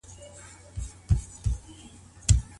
ښه داده، چي د ستونزو پر وخت بحث ونکړي.